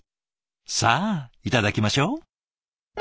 さあいただきましょう。